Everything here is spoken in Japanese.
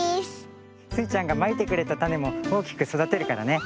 スイちゃんがまいてくれたたねもおおきくそだてるからね。